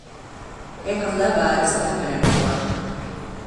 Yakovleva is the feminine form.